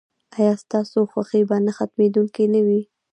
ایا ستاسو خوښي به نه ختمیدونکې نه وي؟